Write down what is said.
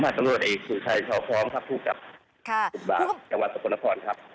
ผมหัดตรวจไอศูนย์ชายชอบพร้อมครับภูมิกับบาปจังหวัดสกนพรครับ